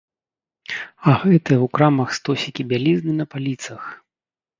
А гэтыя ў крамах стосікі бялізны на паліцах!